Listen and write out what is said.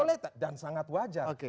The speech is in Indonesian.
boleh dan sangat wajar